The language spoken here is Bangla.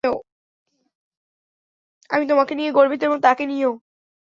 আমি তোমাকে নিয়ে গর্বিত এবং তাকে নিয়েও।